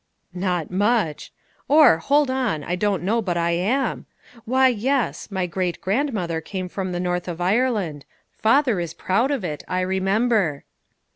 " Not much! Or, hold on, I don't know but I am. Why, yes, my great grandmother came from the North of Ireland. Father is proud of it, I remember."